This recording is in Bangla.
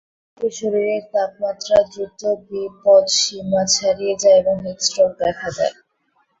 এতে শরীরের তাপমাত্রা দ্রুত বিপৎসীমা ছাড়িয়ে যায় এবং হিট স্ট্রোক দেখা দেয়।